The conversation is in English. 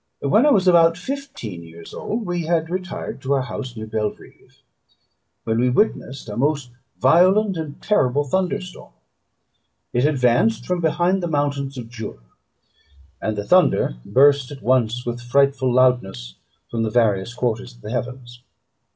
When I was about fifteen years old we had retired to our house near Belrive, when we witnessed a most violent and terrible thunder storm. It advanced from behind the mountains of Jura; and the thunder burst at once with frightful loudness from various quarters of the heavens.